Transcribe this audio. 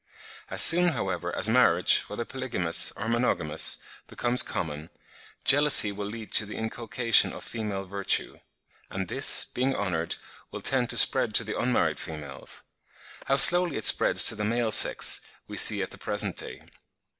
As soon, however, as marriage, whether polygamous, or monogamous, becomes common, jealousy will lead to the inculcation of female virtue; and this, being honoured, will tend to spread to the unmarried females. How slowly it spreads to the male sex, we see at the present day.